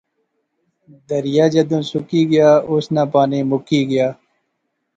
دریا جدوں سکی گیا، اس ناں پانی مکی گیا